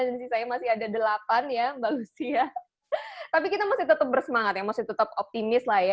dan sisanya masih ada delapan ya bagus ya tapi kita masih tetap bersemangat ya masih tetap optimis lah ya